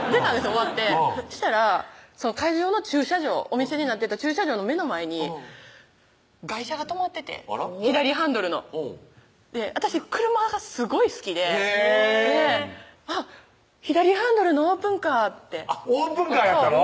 終わってしたら会場の駐車場お店になってた駐車場の目の前に外車がとまってて左ハンドルのほう私車がすごい好きでへぇあっ左ハンドルのオープンカーってオープンカーやったの？